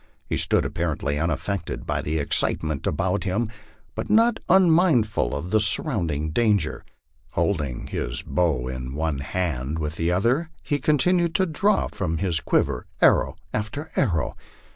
He stood apparently unaffected by the excitement about him, but not unmindful of the surrounding danger. Holding his bow in one hand, with the other he continued to draw from his quiver arrow after ar row.